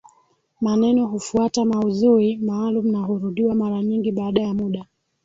Maneno hufuata maudhui maalumu na hurudiwa mara nyingi baada ya muda